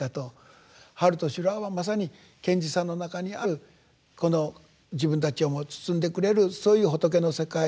「春と修羅」はまさに賢治さんの中にあるこの自分たちをも包んでくれるそういう仏の世界。